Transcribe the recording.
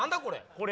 これ。